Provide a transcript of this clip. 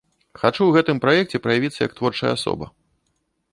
Хачу ў гэтым праекце праявіцца і як творчая асоба.